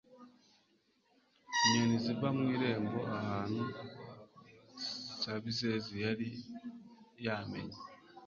inyoni ziva mu irembo, ahantu sabizeze yari yamenye